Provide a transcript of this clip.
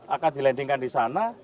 akan dilandingkan di sana